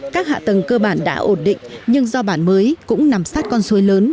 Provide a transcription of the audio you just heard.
các hạ tầng cơ bản đã ổn định nhưng do bản mới cũng nằm sát con suối lớn